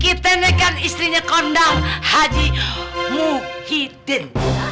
kita naikkan istrinya kondang haji mukhidin